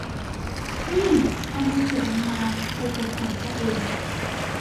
นี่ เอามือถือมึงมา กูกดส่งให้เอง